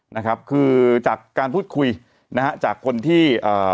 นะครับคือจากการพูดคุยนะฮะจากคนที่เอ่อ